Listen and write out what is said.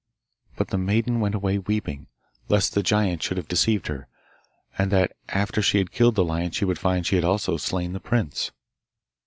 But the maiden went away weeping, lest the giant should have deceived her, and that after she had killed the lion she would find she had also slain the prince.